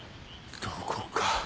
どこか。